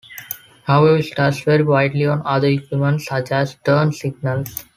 However, states vary widely on other equipment such as turn signals.